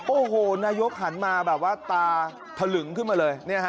โอ้โหนายกหันมาแบบว่าตาถลึงขึ้นมาเลย